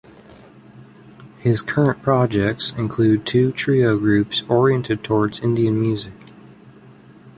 His current projects include two trio groups oriented towards Indian music.